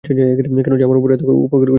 কেন যে আমার এত উপকার করছেন সেটাই বুঝিনা।